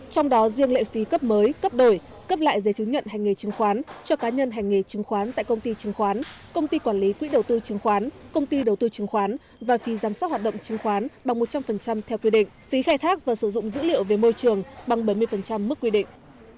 trong đó riêng lệ phí cấp mới cấp đổi cấp lại giấy chứng nhận hành nghề chứng khoán cho cá nhân hành nghề chứng khoán tại công ty chứng khoán công ty quản lý quỹ đầu tư chứng khoán công ty đầu tư chứng khoán và phí giám sát hoạt động chứng khoán bằng một trăm linh theo quy định phí khai thác và sử dụng dữ liệu về môi trường bằng bảy mươi mức quy định